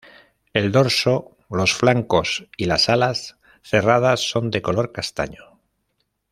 El dorso, los flancos y las alas cerradas son de color castaño.